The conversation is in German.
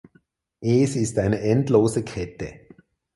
Es ist eine endlose Kette.